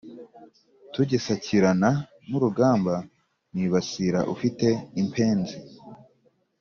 tugisakirana n'urugamba, nibasira ufite impenzi